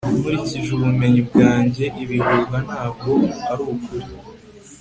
nkurikije ubumenyi bwanjye, ibihuha ntabwo arukuri